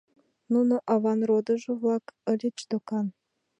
Нуно аван родыжо-влак ыльыч, докан.